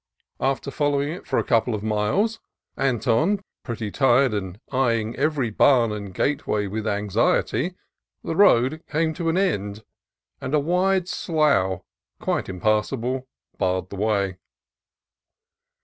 After following it for 226 CALIFORNIA COAST TRAILS a couple of miles, Anton pretty tired and eyeing every barn and gateway with anxiety, the road came to an end, and a wide slough, quite impassable, barred the way.